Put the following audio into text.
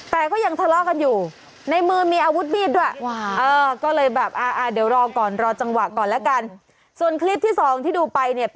แต่ก็ยังทะเลาะกันอยู่